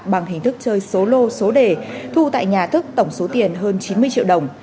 bằng hình thức chơi solo số đề thu tại nhà thức tổng số tiền hơn chín mươi triệu đồng